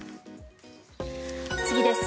次です。